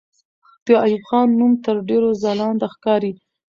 د ایوب خان نوم تر ډېرو ځلانده ښکاري.